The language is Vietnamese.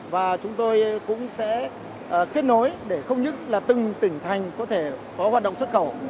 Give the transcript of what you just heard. và chúng tôi cũng sẽ kết nối để không nhất là từng tỉnh thành có thể có hoạt động xuất khẩu